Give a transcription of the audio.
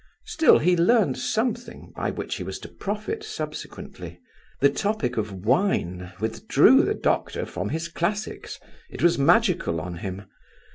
Still he learned something, by which he was to profit subsequently. The topic of wine withdrew the doctor from his classics; it was magical on him.